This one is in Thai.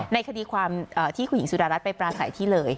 ในคดีความที่คุณหญิงสุดารัฐไปปราศัยที่เลย